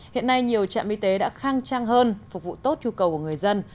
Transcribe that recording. hiện nay nhiều trạm y tế đã khang trang hơn phục vụ tốt nhu cầu của người dân